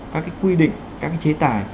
các quy định các chế tài